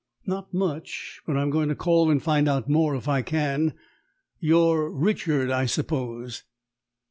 "Not much; but I'm going to call and find out more if I can. You're Richard, I suppose?"